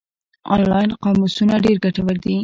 آنلاین قاموسونه ډېر ګټور دي.